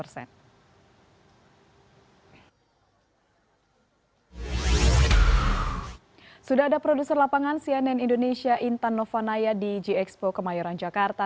sudah ada produser lapangan cnn indonesia intan novanaya di gxpo kemayoran jakarta